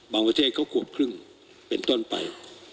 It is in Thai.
ประเทศเขาขวบครึ่งเป็นต้นไป